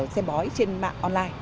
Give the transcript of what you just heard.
xem bói trên mạng online